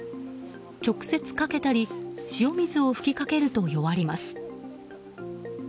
直接かけたり塩水を吹きかけると弱ります。